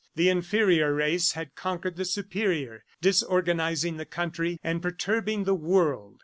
The inferior race had conquered the superior, disorganizing the country and perturbing the world.